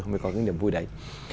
mới có cái niềm vui đấy